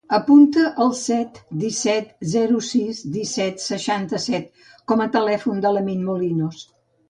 Apunta el set, disset, zero, sis, disset, seixanta-set com a telèfon de l'Amin Molinos.